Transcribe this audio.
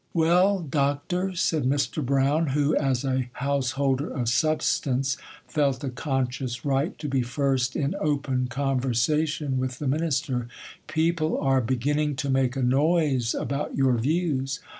'Well, Doctor,' said Mr. Brown, who, as a householder of substance, felt a conscious right to be first in open conversation with the minister, 'people are beginning to make a noise about your views.